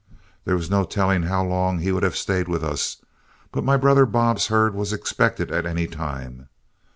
There was no telling how long he would have stayed with us, but my brother Bob's herd was expected at any time.